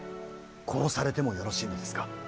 殺されてもよろしいのですか。